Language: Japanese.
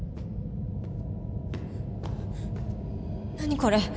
何これ。